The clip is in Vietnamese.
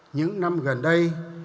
những năm gần đây